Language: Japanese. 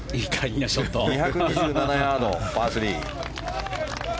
２２７ヤード、パー３。